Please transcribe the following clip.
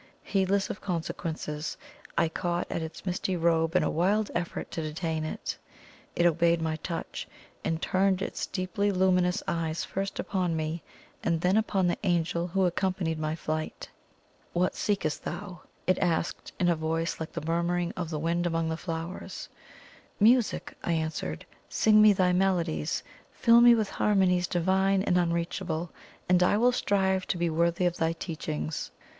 Heedless of consequences, I caught at its misty robe in a wild effort to detain it. It obeyed my touch, and turned its deeply luminous eyes first upon me, and then upon the Angel who accompanied my flight. "What seekest thou?" it asked in a voice like the murmuring of the wind among flowers. "Music!" I answered. "Sing me thy melodies fill me with harmonies divine and unreachable and I will strive to be worthy of thy teachings!"